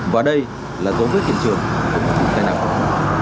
và đây là dấu vết hiện trường của tai nạn giao thông